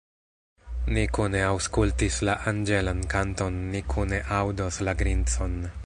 Ni kune aŭskultis la anĝelan kanton, ni kune aŭdos la grincon.